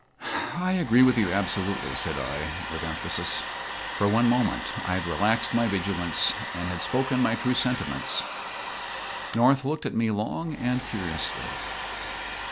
"I agree with you absolutely," said I, with emphasis. For one moment I had relaxed my vigilance, and had spoken my true sentiments. North looked at me long and curiously.